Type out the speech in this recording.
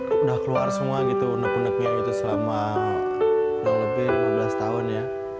udah keluar semua gitu unek uneknya gitu selama kurang lebih lima belas tahun ya